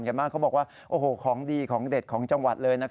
กันเขาก็ว่าของดีของเด็ดของจังหวัดเลย